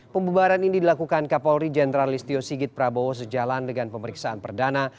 pembubaran ini dilakukan kapolri jenderal listio sigit prabowo sejalan dengan pemeriksaan perdana